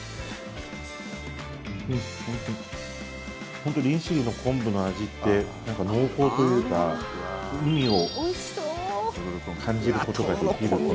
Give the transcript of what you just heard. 本当に利尻の昆布の味って濃厚というか海を感じることができる。